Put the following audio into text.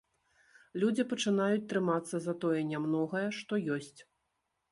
Людзі пачынаюць трымацца за тое нямногае, што ёсць.